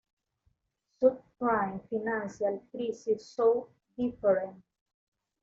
Sub-Prime Financial Crisis So Different?